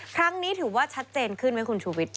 ครั้งนี้ถือว่าชัดเจนขึ้นไหมคุณชูวิทย